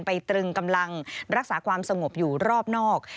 ตรึงกำลังรักษาความสงบอยู่รอบนอก